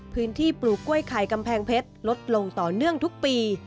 ปลูกกล้วยไข่กำแพงเพชรลดลงต่อเนื่องทุกปี